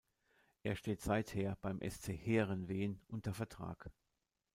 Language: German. Er steht seither beim sc Heerenveen unter Vertrag.